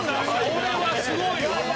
これはすごいわ！